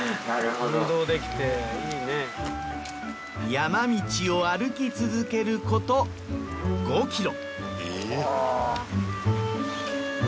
山道を歩き続けること５ｋｍ。